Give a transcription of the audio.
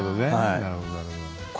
なるほどね。